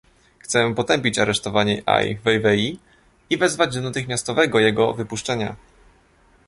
Chcę potępić aresztowanie Ai Weiwei i wezwać do natychmiastowego jego wypuszczenia